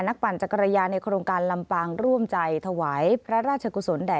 ปั่นจักรยานในโครงการลำปางร่วมใจถวายพระราชกุศลแด่